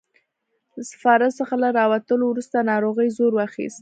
له سفارت څخه له راوتلو وروسته ناروغۍ زور واخیست.